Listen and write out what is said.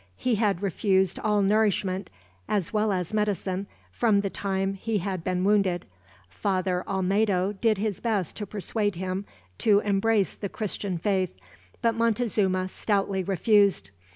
He had refused all nourishment, as well as medicine, from the time he had been wounded. Father Olmedo did his best to persuade him to embrace the Christian faith, but Montezuma stoutly refused.